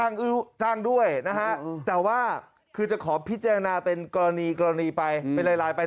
จ้างด้วยนะฮะแต่ว่าคือจะขอพิจารณาเป็นกรณีกรณีไปเป็นลายไป